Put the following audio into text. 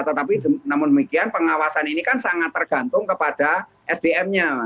tetapi namun demikian pengawasan ini kan sangat tergantung kepada sdm nya